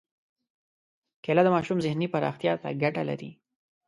کېله د ماشوم ذهني پراختیا ته ګټه لري.